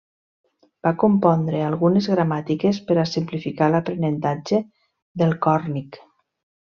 Va compondre algunes gramàtiques per a simplificar l'aprenentatge del còrnic.